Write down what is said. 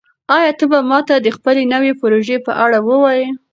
آیا ته به ماته د خپلې نوې پروژې په اړه ووایې؟